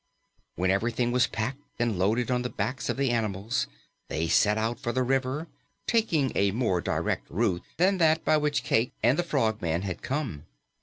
When everything was packed and loaded on the backs of the animals, they set out for the river, taking a more direct route than that by which Cayke and the Frogman had come.